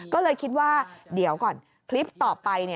ก็เลยคิดว่าเดี๋ยวก่อนคลิปต่อไป